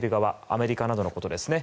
アメリカなどのことですね。